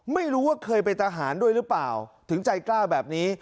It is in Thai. ไม่รู้ว่าเคยเป็นทหารด้วยหรือเปล่าถึงใจกล้าแบบนี้